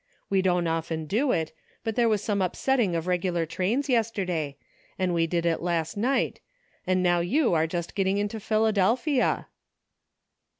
We don't often do it ; but there was some upsetting of regular trains yesterday, and we did it last night, and now you are just getting into Philadelphia."